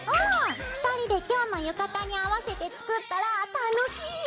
２人で今日の浴衣に合わせて作ったら楽しいよ！